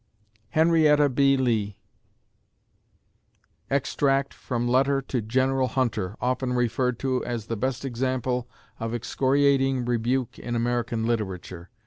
HENRIETTA B. LEE [Extract from letter to General Hunter, often referred to as the best example of excoriating rebuke in American literature.